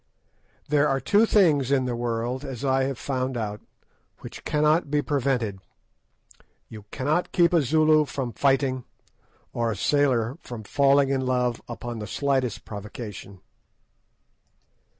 There are two things in the world, as I have found out, which cannot be prevented: you cannot keep a Zulu from fighting, or a sailor from falling in love upon the slightest provocation!